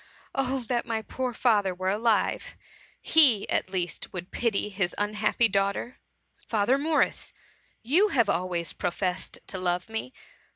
Oh that my poor father were alive !— he, at least, would pity his unhappy daughter. Father Morris, you have always professed to love me.